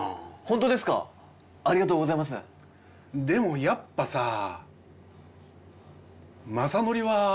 でもやっぱさ。